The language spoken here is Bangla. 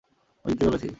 আমি জিততে চলেছি!